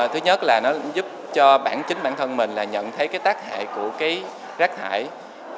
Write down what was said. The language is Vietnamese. thứ nhất là nó giúp cho bản chính bản thân mình là nhận thấy cái tác hại của cái rác thải